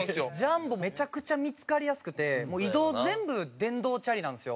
ジャンボめちゃくちゃ見付かりやすくてもう移動全部電動チャリなんですよ。